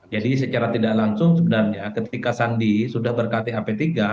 jadi secara tidak langsung sebenarnya ketika sandi sudah berkati ap tiga